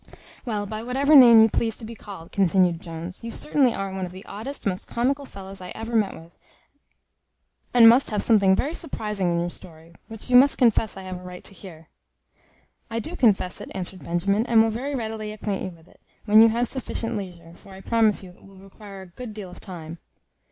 "Well, by whatever name you please to be called," continued Jones, "you certainly are one of the oddest, most comical fellows I ever met with, and must have something very surprizing in your story, which you must confess I have a right to hear." "I do confess it," answered Benjamin, "and will very readily acquaint you with it, when you have sufficient leisure, for I promise you it will require a good deal of time."